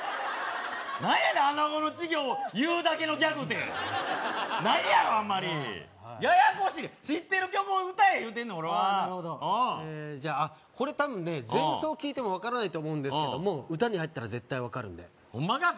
何やねんアナゴの稚魚を言うだけのギャグってないやろあんまりはいややこしい知ってる曲を歌え言うてんの俺はじゃあこれ多分ね前奏聴いても分からないと思うんですけども歌に入ったら絶対分かるんでホンマか？